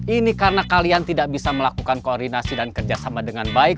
ini karena kalian tidak bisa melakukan koordinasi dan kerjasama dengan baik